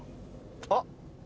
あっ！